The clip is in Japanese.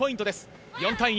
４対２。